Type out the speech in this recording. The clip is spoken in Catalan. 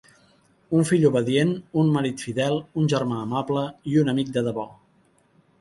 Un fill obedient, un marit fidel, un germà amable i un amic de debò.